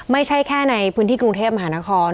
ไม่ใช่แค่ในพื้นที่กรุงเทพมหานคร